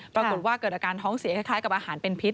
ปรากฏว่าเกิดอาการท้องเสียคล้ายกับอาหารเป็นพิษ